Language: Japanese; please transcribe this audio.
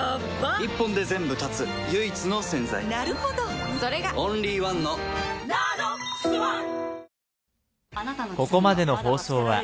一本で全部断つ唯一の洗剤なるほどそれがオンリーワンの「ＮＡＮＯＸｏｎｅ」